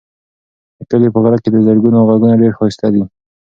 د کلي په غره کې د زرکو غږونه ډېر ښایسته دي.